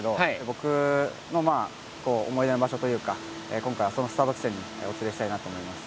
僕の思い出の場所というか今回はそのスタート地点にお連れしたいなと思います。